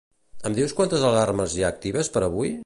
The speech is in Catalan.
Em dius quantes alarmes hi ha actives per avui?